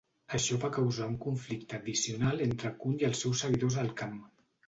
Això va causar un conflicte addicional entre Kun i els seus seguidors al camp.